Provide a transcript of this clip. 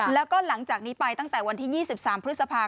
แล้วก็หลังจากนี้ไปตั้งแต่วันที่๒๓พฤษภาค